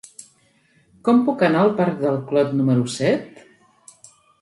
Com puc anar al parc del Clot número set?